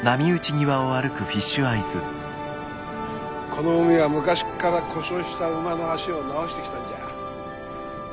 この海は昔から故障した馬の脚を治してきたんじゃ。